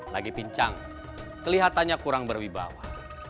lagi pincang kelihatannya kurang berwibawa